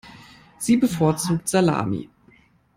Sie bevorzugt Salami.